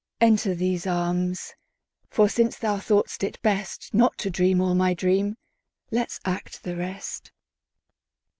Enter these arms, for since thou thought'st it bestNot to dream all my dream, let's act the rest.